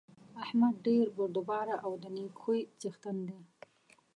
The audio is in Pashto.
احمد ډېر بردباره او د نېک خوی څېښتن دی.